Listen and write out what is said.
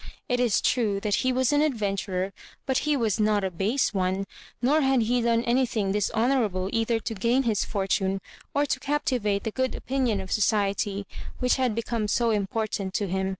It is true that he was an adventurer, but he was not a base one ; nor had he done anything dishonourable either to gain his fortune or to captivate the good opinion of society, which had become so important to him.